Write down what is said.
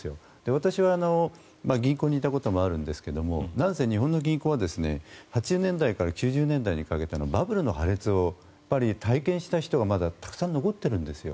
私は銀行にいたこともあるんですが日本の銀行は８０年代から９０年代にかけてバブルの破裂を体験した人がまだたくさん残っているんです。